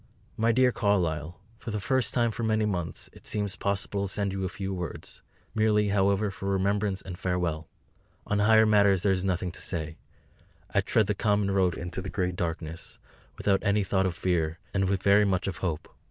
MY DEAR CARLYLE, For the first time for many months it seems possible to send you a few words; merely, however, for Remembrance and Farewell. On higher matters there is nothing to say. I tread the common road into the great darkness, without any thought of fear, and with very much of hope.